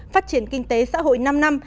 phát triển kinh tế xã hội năm năm